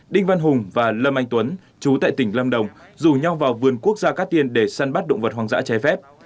đinh văn hùng và lâm anh tuấn chú tại tỉnh lâm đồng rủ nhau vào vườn quốc gia cát tiên để săn bắt động vật hoang dã trái phép